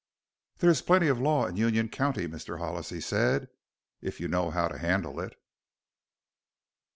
"There is plenty of law in Union County, Mr. Hollis," he said, "if you know how to handle it!"